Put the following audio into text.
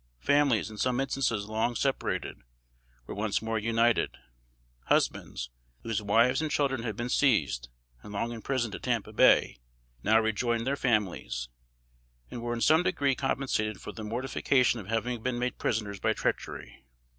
Families, in some instances long separated, were once more united; husbands, whose wives and children had been seized and long imprisoned at Tampa Bay, now rejoined their families, and were in some degree compensated for the mortification of having been made prisoners by treachery.